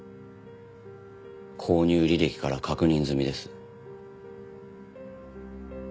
購入履歴から確認済みです。